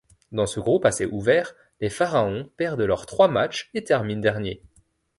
Dans ce groupe assez ouvert, les pharaons perdent leurs trois matchs et terminent derniers.